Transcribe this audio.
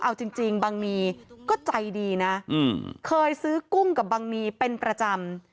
เอาจริงบังนีก็ใจดีนะเคยซื้อกุ้งกับบังนีเป็นประจำ